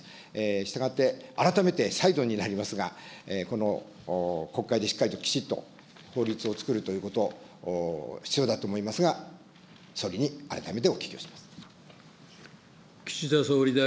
したがって改めて再度になりますが、この国会でしっかりと、きちっと法律を作るということ、必要だと思いますが、総理に改めてお聞きをします。